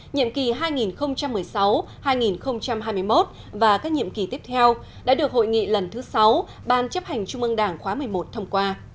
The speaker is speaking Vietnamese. nhiệm kỳ hai nghìn một mươi sáu hai nghìn hai mươi một và các nhiệm kỳ tiếp theo đã được hội nghị lần thứ sáu ban chấp hành trung ương đảng khóa một mươi một thông qua